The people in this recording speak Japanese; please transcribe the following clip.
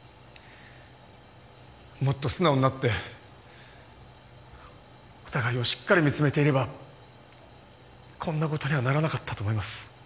もっと素直になってお互いをしっかり見つめていればこんな事にはならなかったと思います。